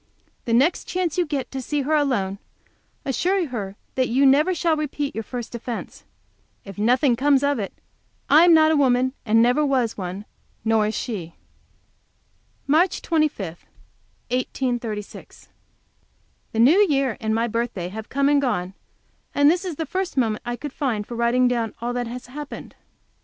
The next chance you get to see her alone, assure her that you never shall repeat your first offence. If nothing comes of it I am not a woman, and never was one; nor is she. MARCH 25, 1836. The New Year and my birthday have come and gone, and this is the first moment I could find for writing down all that has happened.